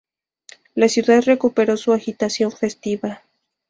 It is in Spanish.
La ciudad recuperó su agitación festiva.